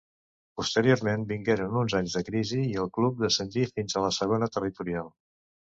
Posteriorment vingueren uns anys de crisi i el club descendí fins a la Segona Territorial.